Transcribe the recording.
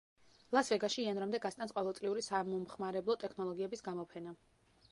ლას-ვეგასში იანვრამდე გასტანს ყოველწლიური სამომხმარებლო ტექნოლოგიების გამოფენა.